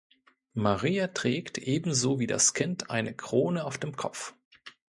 Maria trägt ebenso wie das Kind eine Krone auf dem Kopf.